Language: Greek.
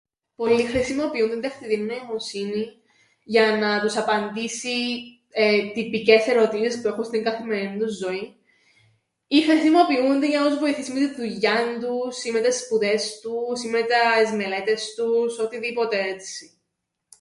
Πολλοί χρησιμοποιούν την τεχνητήν νοημοσύνην για να τους απαντήσει εεε τυπικές ερωτήσεις που έχουν στην καθημερινήν τους ζωήν ή χρησιμοποιούν την για να τους βοηθήσει με την δουλειάν τους ή με τες σπουδές τους ή με τες μελέτες τους, οτιδήποτε έτσι.